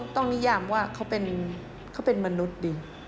นิยามว่าเขาเป็นมนุษย์ดี